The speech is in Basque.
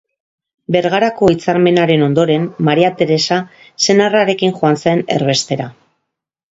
Bergarako Hitzarmenaren ondoren Maria Teresa senarrarekin joan zen erbestera.